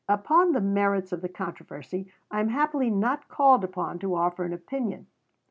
Upon the merits of the controversy I am happily not called upon to offer an opinion.